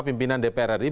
pimpinan dpr hari ini